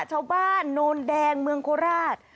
ชาวบ้านโนนแดงเมืองโคราช